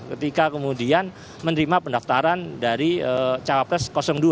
ketika kemudian menerima pendaftaran dari cawapres dua